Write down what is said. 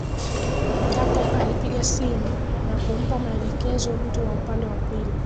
Jacob alipiga simu na kumpa maelekezo mtu wa upande wa pili